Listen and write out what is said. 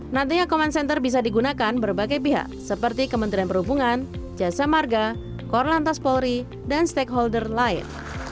nantinya command center bisa digunakan berbagai pihak seperti kementerian perhubungan jasa marga korlantas polri dan stakeholder lain